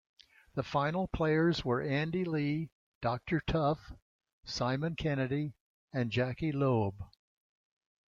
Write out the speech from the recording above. The final players were Andy Lee, Doctor Turf, Simon Kennedy and Jackie Loeb.